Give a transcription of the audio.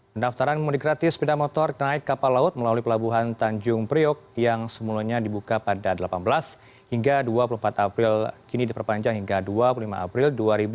pendaftaran mudik gratis sepeda motor naik kapal laut melalui pelabuhan tanjung priok yang semulanya dibuka pada delapan belas hingga dua puluh empat april kini diperpanjang hingga dua puluh lima april dua ribu dua puluh